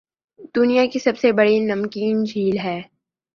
دنیاکی سب سے بڑی نمکین جھیل ہے